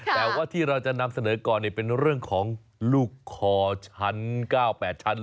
แต่ว่าที่เราจะนำเสนอก่อนเป็นเรื่องของลูกคอชั้น๙๘ชั้น